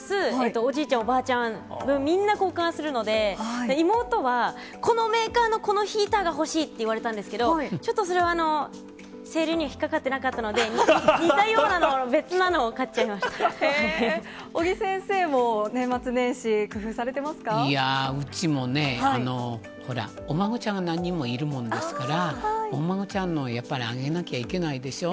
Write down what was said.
おじいちゃん、おばあちゃん分、みんな交換するので、妹は、このメーカーのこのヒーターが欲しいって言われたんですけど、ちょっとそれは、セールには引っ掛かってなかったので、似たようなのを、別なのを尾木先生も、年末年始、いやー、うちもね、ほら、お孫ちゃんが何人もいるもんですから、お孫ちゃんの、やっぱりあげなきゃいけないでしょ？